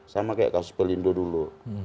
sama kayak kasus pelindo dulu